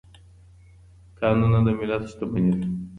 کانونه د ملت شتمني ده.